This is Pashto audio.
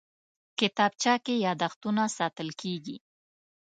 کتابچه کې یادښتونه ساتل کېږي